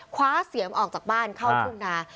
คว้าเสียมออกจากบ้านเข้าทุ่งนา